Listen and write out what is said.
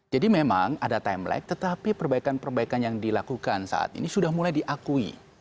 jadi memang ada time lag tetapi perbaikan perbaikan yang dilakukan saat ini sudah mulai diakui